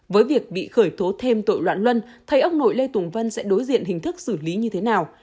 với việc bị khởi tố thêm tội loạn luân thấy ông nội lê tùng vân sẽ đối diện hình thức xử lý như thế nào